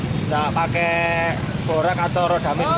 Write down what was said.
tidak pakai borax atau rodamin bu